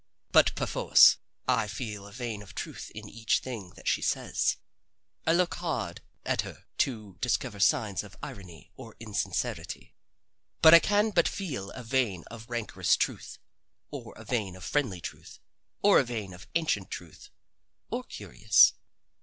But perforce I feel a vein of truth in each thing that she says. I look hard at her to discover signs of irony or insincerity but I can but feel a vein of rancorous truth, or a vein of friendly truth, or a vein of ancient truth, or curious.